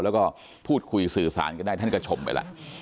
แล้วก็พูดคุยสื่อสารกันได้ท่านก็ชมไปแล้ว